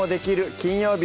金曜日」